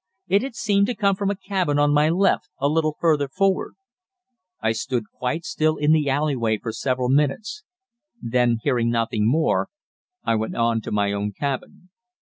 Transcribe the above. It had seemed to come from a cabin on my left, a little further forward. I stood quite still in the alleyway for several minutes. Then, hearing nothing more, I went on to my own cabin.